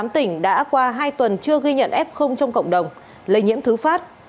một mươi tám tỉnh đã qua hai tuần chưa ghi nhận f trong cộng đồng lây nhiễm thứ phát